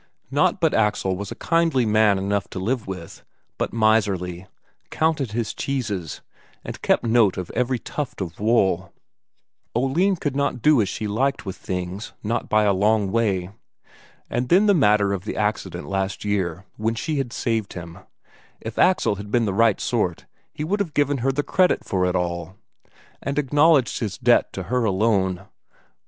Not but Axel was a kindly man enough to live with, but miserly; counted his cheeses, and kept good note of every tuft of wool; Oline could not do as she liked with things, not by a long way. And then that matter of the accident last year, when she had saved him if Axel had been the right sort, he would have given her the credit for it all, and acknowledged his debt to her alone.